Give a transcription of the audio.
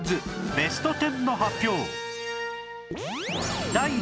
ベスト１０の発表